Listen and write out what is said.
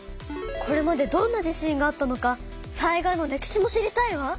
これまでどんな地震があったのか災害の歴史も知りたいわ！